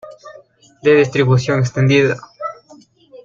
De distribución extendida.